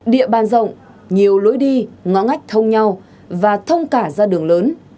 địa bàn rộng nhiều lối đi ngõ ngách thông nhau và thông cả ra đường lớn